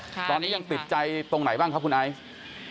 ตอนนี้ยังติดใจตรงไหนบ้างครับคุณไอซ์